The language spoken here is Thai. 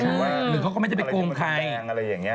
หรือเขาก็ไม่ได้ไปโกงใคร